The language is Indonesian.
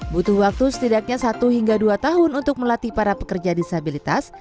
butuh waktu setidaknya satu hingga dua tahun untuk melatih para pekerja disabilitas